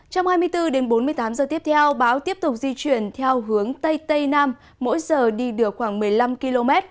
trong hai mươi bốn đến bốn mươi tám giờ tiếp theo bão tiếp tục di chuyển theo hướng tây tây nam mỗi giờ đi được khoảng một mươi năm km